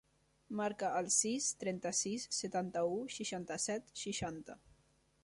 Marca el sis, trenta-sis, setanta-u, seixanta-set, seixanta.